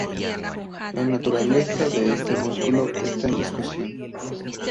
La naturaleza de este músculo está en discusión.